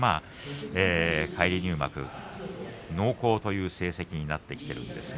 返り入幕濃厚という成績になっています。